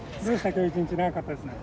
今日一日長かったですね。